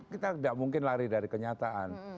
kita tidak mungkin lari dari kenyataan